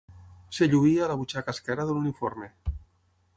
Es lluïa a la butxaca esquerra de l'uniforme.